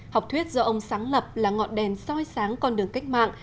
học thuyết do ông sáng lập là ngọn đèn soi sáng con đường cách mạng